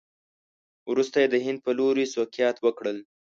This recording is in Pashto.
وروسته یې د هند په لوري سوقیات وکړل.